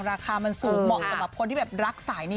ราคามันสูงเหมาะสำหรับคนที่แบบรักสายนี้